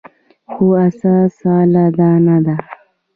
خو اساس غله دانه ده.